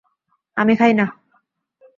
আমি খাই না।